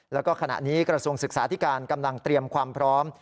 แล้วก็ขณะนี้กระทรวงศึกษาธิการกำลังเตรียมความพร้อม